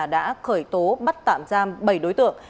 đã khởi tố bắt tạm giam bảy đối tượng